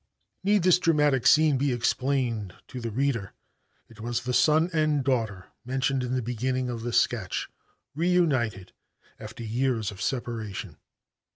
Need this dramatic scene be explained to the reader. It was the son and daughter mentioned in the beginning of this sketch reunited after years of separation.